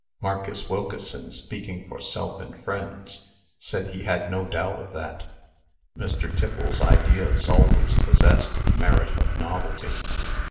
Marcus Wilkeson, speaking for self and friends, said he had no doubt of that. Mr. Tiffles's ideas always possessed the merit of novelty.